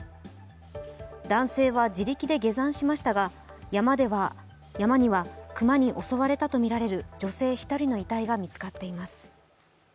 男性は自力で下山しましたが山には熊に襲われたとみられる女性１人の遺体が見つかっています。